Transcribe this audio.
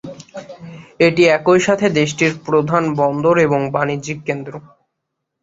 এটি একই সাথে দেশটির প্রধান বন্দর এবং বাণিজ্যিক কেন্দ্র।